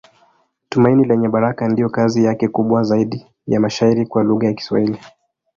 Tumaini Lenye Baraka ndiyo kazi yake kubwa zaidi ya mashairi kwa lugha ya Kiswahili.